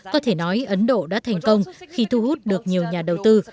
có thể nói ấn độ đã thành công khi thu hút được nhiều nhà đầu tư